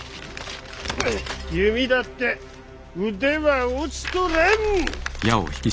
弓だって腕は落ちとらん！